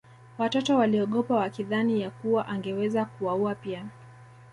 Watoto waliogopa wakidhani ya kuwa angeweza kuwaua pia